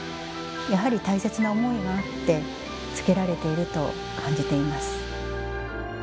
やはり大切な思いがあって着けられていると感じています。